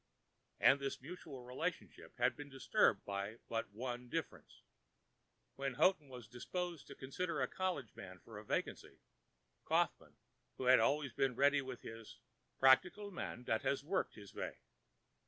And this mutual relation had been disturbed by but one difference. When Houghton was disposed to consider a college man for a vacancy, Kaufmann had always been ready with his "practical man dot has vorked hiss vay."